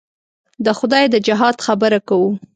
د خدای د جهاد خبره کوو.